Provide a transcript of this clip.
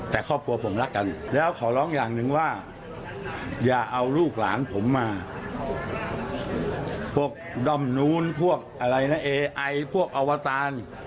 แต่วันหนึ่งคุณจะเสียใจที่ด่าผม